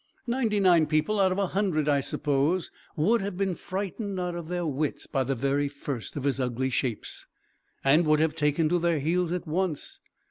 Ninety nine people out of a hundred, I suppose, would have been frightened out of their wits by the very first of his ugly shapes, and would have taken to their heels at once.